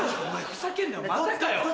ふざけんなよまたかよ！